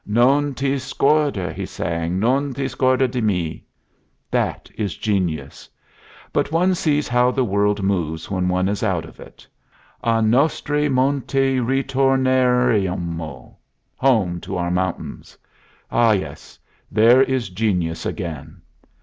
"'Non ti scorder,'" he sang "'non ti scordar di me.' That is genius. But one sees how the world moves when one is out of it. 'A nostri monti ritorneremo'; home to our mountains. Ah, yes, there is genius again."